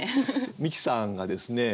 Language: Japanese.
美紀さんがですね